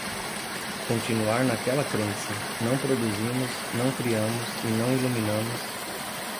continuar naquela crença, não produzimos, não criamos e não iluminamos